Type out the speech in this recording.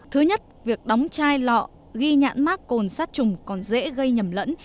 thứ nhất việc đóng chai lọ ghi nhãn mát cồn sát trùng còn dễ gây nhầm lẫn